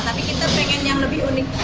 tapi kita pengen yang lebih unik